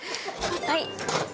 はい。